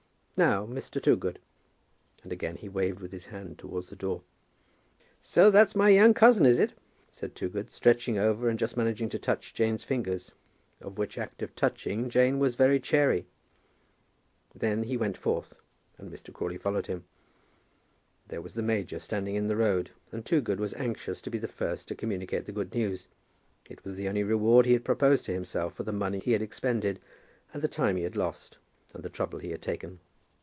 Now, Mr. Toogood." And again he waved with his hand towards the door. "So that's my young cousin, is it?" said Toogood, stretching over and just managing to touch Jane's fingers, of which act of touching Jane was very chary. Then he went forth, and Mr. Crawley followed him. There was the major standing in the road, and Toogood was anxious to be the first to communicate the good news. It was the only reward he had proposed to himself for the money he had expended and the time he had lost and the trouble he had taken.